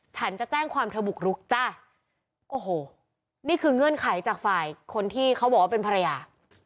ฉันจะแจ้งความเธอบุกรุกจ้ะโอ้โหนี่คือเงื่อนไขจากฝ่ายคนที่เขาบอกว่าเป็นภรรยา